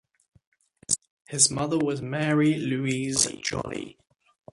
His mother was Marie Louise Jolly.